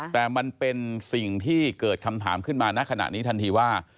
แต่มันเป็นสิ่งที่เกิดคำถามขึ้นมาณขณะนี้ทันทีว่า